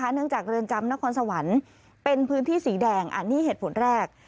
เนื่องจากเรือนจำนครสวรรค์เป็นพื้นที่สีแดงอันนี้เหตุผลแรก